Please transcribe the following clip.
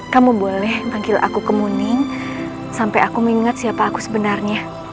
kamu boleh panggil aku kemuning sampai aku mengingat siapa aku sebenarnya